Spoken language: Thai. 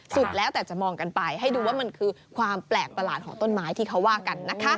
สุดแล้วแต่จะมองกันไปให้ดูว่ามันคือความแปลกประหลาดของต้นไม้ที่เขาว่ากันนะคะ